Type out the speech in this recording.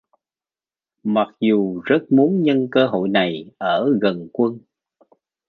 Mặc dù rất muốn nhân cơ hội này ở gần quân